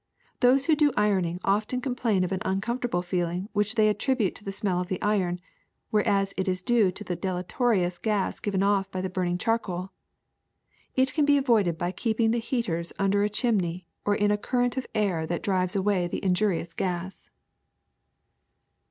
Those who do ironing often complain of an uncomfortable feeling which they attribute to the smell of the iron, whereas it is due to the deleterious gas given off by the burning charcoal. It can be avoided by keeping the heaters under a chimney or in a current of air that drives away the injurious gas.''